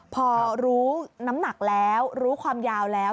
พอรู้น้ำหนักแล้วรู้ความยาวแล้ว